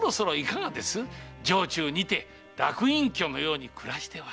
城中にて楽隠居のように暮らしては。